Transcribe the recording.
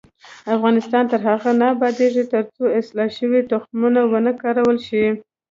افغانستان تر هغو نه ابادیږي، ترڅو اصلاح شوي تخمونه ونه کارول شي.